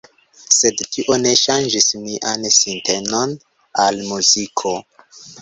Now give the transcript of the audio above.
Sed tio ne ŝanĝis mian sintenon al muziko.